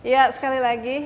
ya sekali lagi